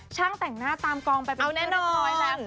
ช่างแต่งหน้าตามกองไปเอาแน่นอน